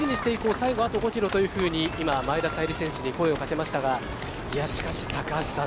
最後あと５キロというふうに今、前田彩里選手に声をかけましたがしかし、高橋さん